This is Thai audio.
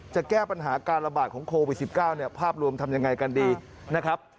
จะแก้ปัญหาการระบาดของโควิด๑๙เนี่ยภาพรวมทำยังไงกันดีนะครับ